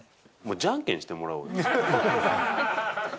じゃんけんしてもらおうよ。